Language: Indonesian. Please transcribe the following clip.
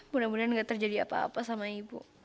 mudah mudahan gak terjadi apa apa sama ibu